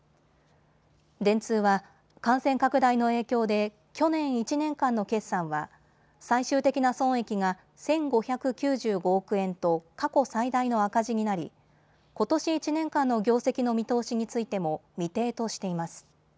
電通は感染拡大の影響で去年１年間の決算は最終的な損益が１５９５億円と過去最大の赤字になりことし１年間の業績の見通しについても未定としています。